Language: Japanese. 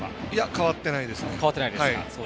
変わってないですね。